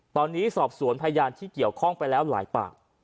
ตอนนี้สอบสวนพยานที่เกี่ยวข้องไปแล้วหลายปาก